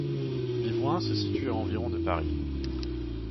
Vivoin se situe à environ de Paris.